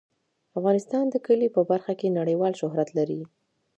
افغانستان د کلي په برخه کې نړیوال شهرت لري.